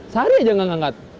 sehari aja nggak diangkat